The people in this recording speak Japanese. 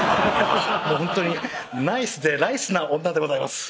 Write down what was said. もうほんとにナイスでライスな女でございます